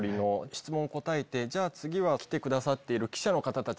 質問答えて「じゃあ次は来てくださっている記者の方たち。